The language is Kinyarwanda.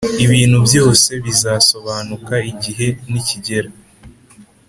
ibintu byose bizasobanuka igihe nikigera.